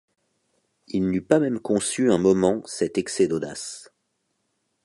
il n’eût pas même conçu un moment cet excès d’audace.